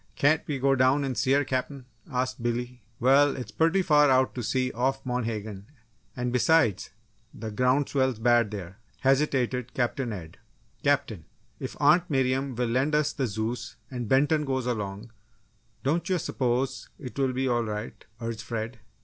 "Can't we go down and see her, Captain?" asked Billy. "Well, it's purty far out to sea off Monhegan; and, besides, the ground swell's bad there," hesitated Captain Ed. "Captain, if Aunt Miriam will lend us the Zeus and Benton goes along, don't you s'pose it will be all right!" urged Fred.